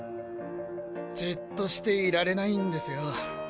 じっとしていられないんですよ。